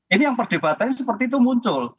ini yang perdebatannya seperti itu muncul